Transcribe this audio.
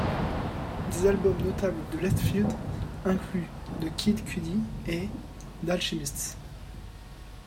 Des albums notables de left-field incluent ' de Kid Cudi, et ' d'Alchemists.